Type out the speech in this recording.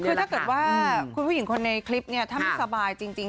คือถ้าเกิดว่าคุณผู้หญิงคนในคลิปเนี่ยถ้าไม่สบายจริง